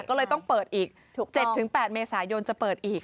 ก็เลยต้องเปิดอีก๗๘เมษายนจะเปิดอีก